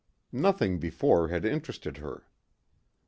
Nothing before had interested her.